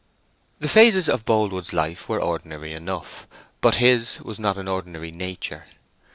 The phases of Boldwood's life were ordinary enough, but his was not an ordinary nature.